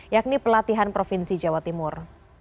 yakni pelatihan provinsi jawa timur